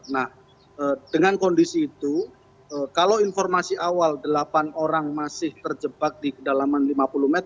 nah dengan kondisi itu kalau informasi awal delapan orang masih terjebak di kedalaman lima puluh meter